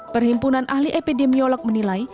perhimpunan ahli epidemiolog menilai